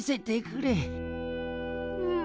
うん。